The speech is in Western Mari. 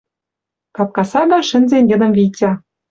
Капка сага шӹнзен йыдым Витя.